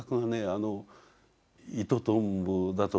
あのイトトンボだとかね